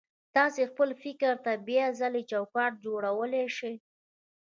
تاسې خپل فکر ته بيا ځلې چوکاټ جوړولای شئ.